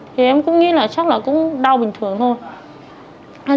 thì em cũng nghĩ là chắc là cũng đau bình thường thôi